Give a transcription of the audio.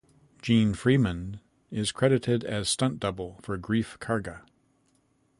Gene Freeman is credited as stunt double for Greef Karga.